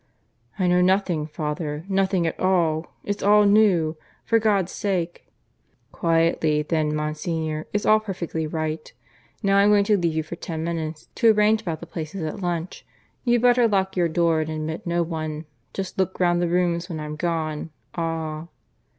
"I know nothing, father ... nothing at all. It's all new! For God's sake! ..." "Quietly then, Monsignor. It's all perfectly right. ... Now I'm going to leave you for ten minutes, to arrange about the places at lunch. You'd better lock your door and admit no one. Just look round the rooms when I'm gone Ah!"